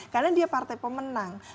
karena dia partai pemenang